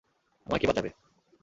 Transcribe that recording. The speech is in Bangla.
আমায় কে বাঁচাবে?